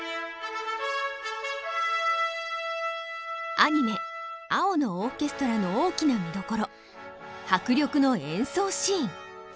アニメ「青のオーケストラ」の大きな見どころ迫力の演奏シーン。